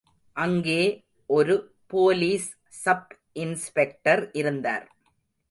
அங்கே ஒரு police sub inspector இருந்தார்.